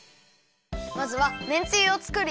まずはめんつゆを作るよ。